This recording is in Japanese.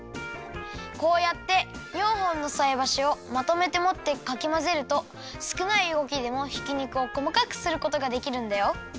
こうやって４ほんのさいばしをまとめてもってかきまぜるとすくないうごきでもひき肉をこまかくすることができるんだよ！